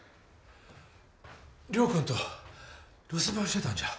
亮君と留守番してたんじゃ。